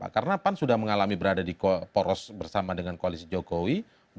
kepada pak jokowi